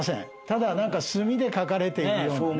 ただなんか墨で書かれているようなね